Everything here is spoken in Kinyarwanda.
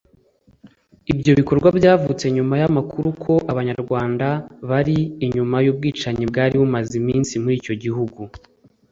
Ibyo bikorwa byavutse nyuma y’amakuru ko Abanyarwanda bari inyuma y’ubwicanyi bwari bumaze iminsi muri icyo gihugu